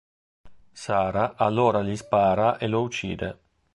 Sara allora gli spara e lo uccide.